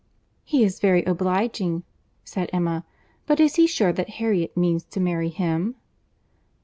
"He is very obliging," said Emma; "but is he sure that Harriet means to marry him?"